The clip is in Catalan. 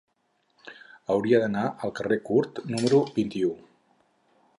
Hauria d'anar al carrer Curt número vint-i-u.